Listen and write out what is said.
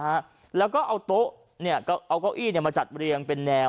ไม่แล้วก็เอาตั้งเวลาโต๊ะก้าวอี้มาจัดเรียงเป็นแนว